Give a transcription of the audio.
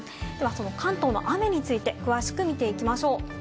関東の雨について詳しくみていきましょう。